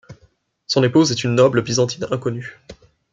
Son épouse est une noble byzantine inconnue.